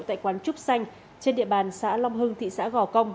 tại quán trúc xanh trên địa bàn xã long hưng thị xã gò công